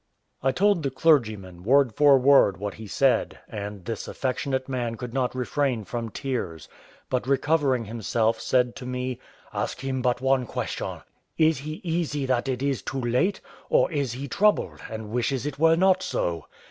I told the clergyman, word for word, what he said, and this affectionate man could not refrain from tears; but, recovering himself, said to me, "Ask him but one question. Is he easy that it is too late; or is he troubled, and wishes it were not so?"